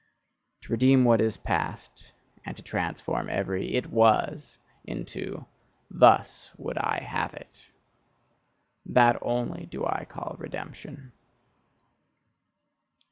To redeem what is past, and to transform every "It was" into "Thus would I have it!" that only do I call redemption!